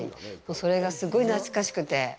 それがすごい懐かしくて。